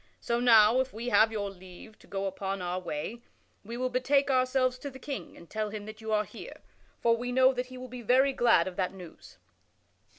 So now, if we have your leave to go upon our way, we will betake ourselves to the King and tell him that you are here, for we know that he will be very glad of that news."